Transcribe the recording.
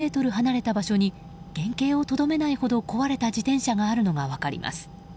更に乗用車から十数メートル離れた場所に原形をとどめないほど壊れた自転車があるのが分かります。